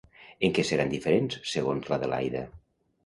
En què seran diferents segons l'Adelaida?